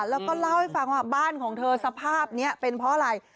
แล้วก็เล่าให้ฟังว่าบ้านของเธอสภาพนี้เป็นเพราะอะไร